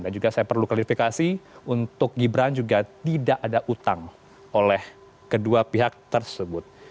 dan juga saya perlu kalifikasi untuk gibran juga tidak ada utang oleh kedua pihak tersebut